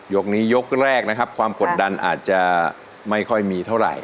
ยกนี้ยกแรกนะครับความกดดันอาจจะไม่ค่อยมีเท่าไหร่